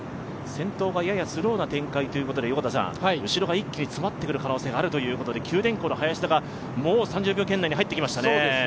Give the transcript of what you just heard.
先頭がややスローな展開ということで後ろが一気に詰まってくる可能性があるということで九電工の林田がもう３０秒圏内には行ってきました。